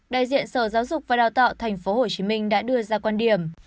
đại diện sở giáo dục và đào tạo tp hcm đã đưa ra quan điểm